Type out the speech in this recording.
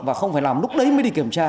và không phải làm lúc đấy mới đi kiểm tra